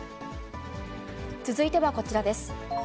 続いてはこちらです。